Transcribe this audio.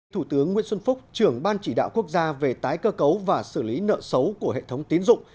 thủ tướng nguyễn xuân phúc trưởng ban chỉ đạo quốc gia về tái cơ cấu và xử lý nợ xấu của hệ thống tiến dụng